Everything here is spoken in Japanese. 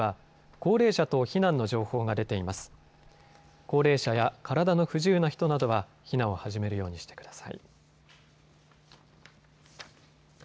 高齢者や体の不自由な人などは避難を始めるようにしてください。